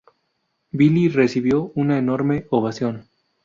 Vili recibió una enorme ovación.